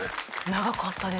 長かったです。